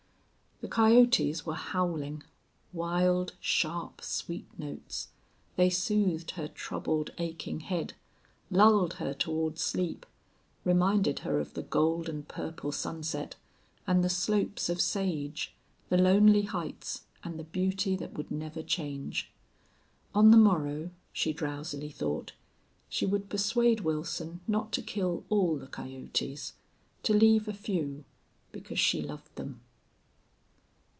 The coyotes were howling. Wild, sharp, sweet notes! They soothed her troubled, aching head, lulled her toward sleep, reminded her of the gold and purple sunset, and the slopes of sage, the lonely heights, and the beauty that would never change. On the morrow, she drowsily thought, she would persuade Wilson not to kill all the coyotes; to leave a few, because she loved them.